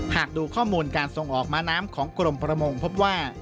หากดูข้อมูลการส่งออกม้าน้ำของกรมประมงพบว่า